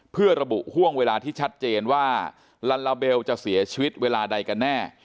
เพื่อระบุห่วงเวลาที่ชัดเจนว่าลัลลาเบลจะเสียชีวิตเวลาใดกันแน่